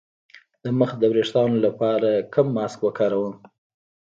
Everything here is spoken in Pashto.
د مخ د ويښتانو لپاره کوم ماسک وکاروم؟